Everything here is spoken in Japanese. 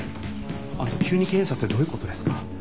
あの急に検査ってどういうことですか？